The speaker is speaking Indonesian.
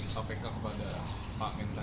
ktpk kepada pak menteri